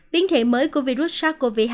biến thể mới của virus sars cov hai